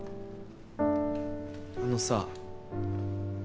あのさ。